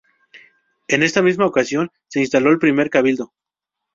En esta misma ocasión se instaló el primer Cabildo.